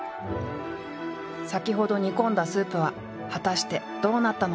先ほど煮込んだスープは果たしてどうなったのか？